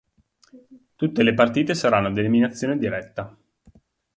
Tutte le partite saranno ad eliminazione diretta.